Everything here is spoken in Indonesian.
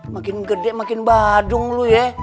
makin gede makin badung lu ya